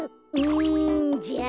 うんじゃあ。